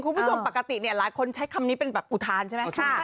คุณผู้ชมปกติเนี่ยหลายคนใช้คำนี้เป็นแบบอุทานใช่ไหม